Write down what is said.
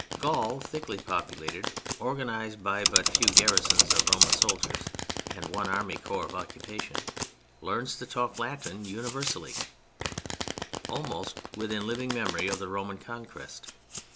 Gaul, thickly populated, organized by but a few garrisons of Roman soldiers and one army corps of occupation, learns to talk Latin universally, almost within living memory of the Roman conquest.